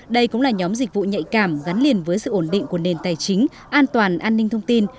đây cũng là nhóm dịch vụ nhạy cảm gắn liền với sự ổn định của nền tài chính an toàn an ninh thông tin